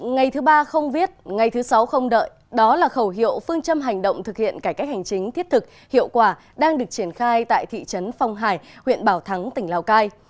ngày thứ ba không viết ngày thứ sáu không đợi đó là khẩu hiệu phương châm hành động thực hiện cải cách hành chính thiết thực hiệu quả đang được triển khai tại thị trấn phong hải huyện bảo thắng tỉnh lào cai